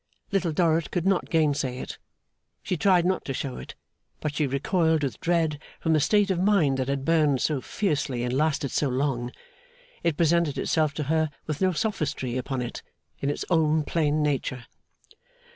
Little Dorrit could not gainsay it. She tried not to show it, but she recoiled with dread from the state of mind that had burnt so fiercely and lasted so long. It presented itself to her, with no sophistry upon it, in its own plain nature.